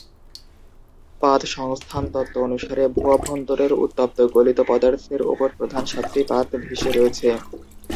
পাত সংস্থান তত্ত্ব অনুসারে ভূ-অভ্যন্তরের উত্তপ্ত গলিত পদার্থের ওপর প্রধান সাতটি পাত ভেসে রয়েছে।